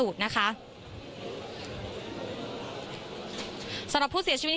พูดสิทธิ์ข่าวธรรมดาทีวีรายงานสดจากโรงพยาบาลพระนครศรีอยุธยาครับ